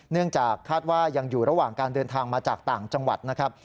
เนื่องจากคาดว่ายังอยู่ระหว่างการเดินทางมาจากต่างจังหวัดนะครับ